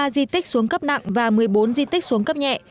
hai mươi ba di tích xuống cấp nặng và một mươi bốn di tích xuống cấp nhẹ